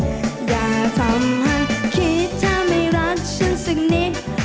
จะทำให้คิดเธอไม่รักฉันสักนิด